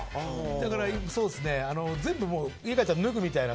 だから全部家帰ったら脱ぐみたいな。